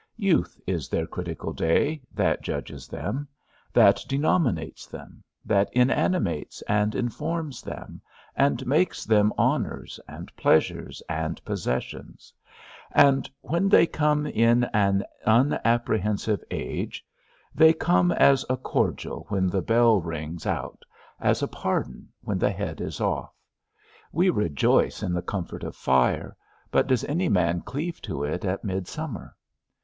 Youth is their critical day, that judges them, that denominates them, that inanimates and informs them, and makes them honours, and pleasures, and possessions; and when they come in an unapprehensive age, they come as a cordial when the bell rings out, as a pardon when the head is off. We rejoice in the comfort of fire, but does any man cleave to it at midsummer?